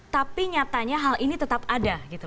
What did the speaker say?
tapi nyatanya hal ini tetap ada gitu